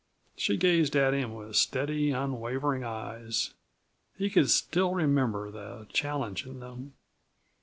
She gazed at him with steady, unwavering eyes. He could still remember the challenge in them.